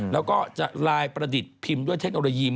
แล้วก็จะลายประดิษฐ์พิมพ์ด้วยเทคโนโลยี